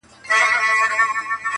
• نن یې زما په غاړه خون دی نازوه مي -